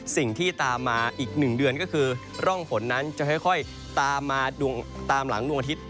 สิ่งที่ตามมาอีก๑เดือนก็คือร่องฝนนั้นจะค่อยตามมาตามหลังดวงอาทิตย์